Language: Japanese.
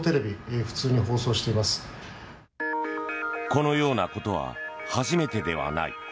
このようなことは初めてではない。